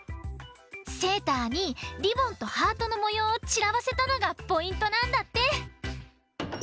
セーターにリボンとハートのもようをちらばせたのがポイントなんだって。